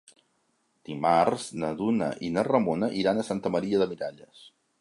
Dimarts na Duna i na Ramona iran a Santa Maria de Miralles.